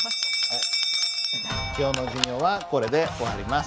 今日の授業はこれで終わります。